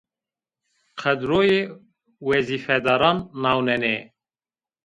Kadroyê wezîfedaran nawnenê